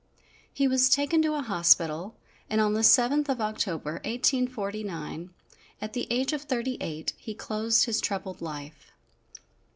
He was taken to a hospital, and on the 7th of October, 1849, at the age of thirty eight, he closed his troubled life.